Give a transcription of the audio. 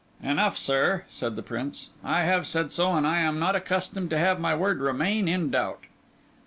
"Enough, sir," said the Prince; "I have said so, and I am not accustomed to have my word remain in doubt."